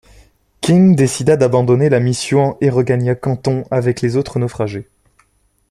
King décida d'abandonner la mission et regagna Canton avec les autres naufragés.